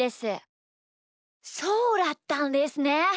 そうだったんですね。